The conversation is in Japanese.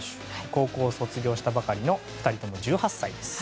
高校を卒業したばかりの２人とも１８歳です。